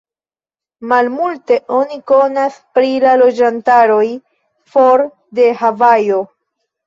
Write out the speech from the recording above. Malmulte oni konas pri la loĝantaroj for de Havajo.